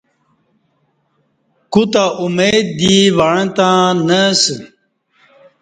کوتہ امید دی وعݩتہ نہ اسہ